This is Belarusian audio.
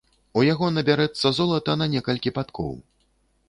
У яго набярэцца золата на некалькі падкоў.